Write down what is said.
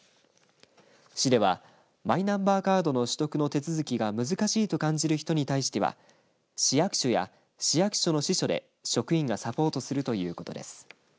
市ではマイナンバーカードの取得の手続きが難しいと感じる人に対しては市役所や市役所の支所で職員がサポートするということです。